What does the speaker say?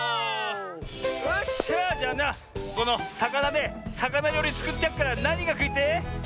よっしゃじゃあなこのさかなでさかなりょうりつくってやっからなにがくいてえ？